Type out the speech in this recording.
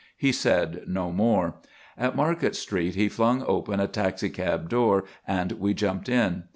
He said no more. At Market Street he flung open a taxicab door and we jumped in.